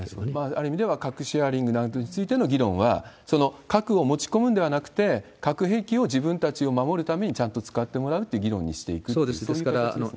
ある意味では核シェアリングなどについての議論は、核を持ち込むんではなくて、核兵器を自分たちを守るためにちゃんと使ってもらうっていう議論そうです、ですから、